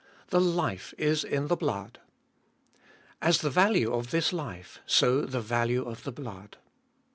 The life is the blood. As the value of this life, so the value of the blood.